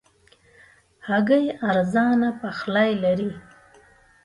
هګۍ ارزانه پخلی لري.